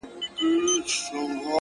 زه به له خپل دياره ولاړ سمه;